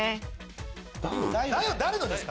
誰のですか？